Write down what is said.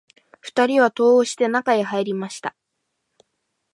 二人は戸を押して、中へ入りました